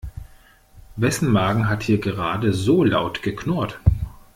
Wessen Magen hat hier gerade so laut geknurrt?